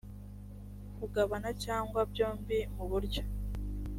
kugabana cyangwa byombi mu buryo